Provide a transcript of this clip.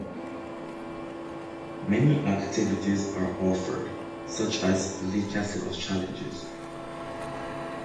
Many activities are offered such as the "Castle of challenges".